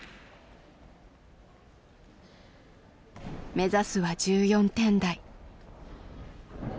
目指すは１４点台。